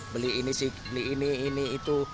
beli ini beli ini ini itu